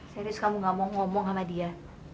serius kamu gak mau ngomong sama dia